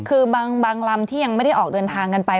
คือบางลำที่ยังไม่ได้ออกเดินทางกันไป